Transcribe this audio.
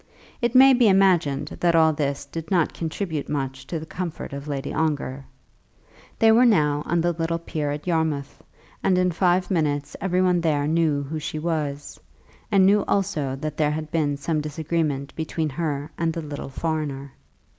It may be imagined that all this did not contribute much to the comfort of Lady Ongar. They were now on the little pier at Yarmouth, and in five minutes every one there knew who she was, and knew also that there had been some disagreement between her and the little foreigner.